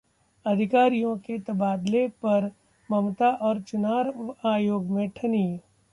अधिकारियों के तबादले पर ममता और चुनाव आयोग में ठनी